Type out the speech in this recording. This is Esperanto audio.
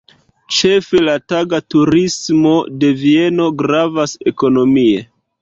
Ĉefe la tag-turismo de Vieno gravas ekonomie.